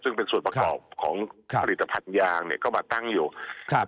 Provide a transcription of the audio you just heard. ซึ่งเป็นส่วนประกอบของผลิตภัณฑ์ยางเนี่ยก็มาตั้งอยู่ครับ